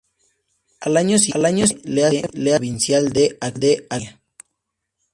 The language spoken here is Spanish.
Al año siguiente le hacen provincial de Aquitania.